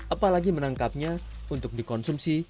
apalagi menangkapnya untuk dikonsumsi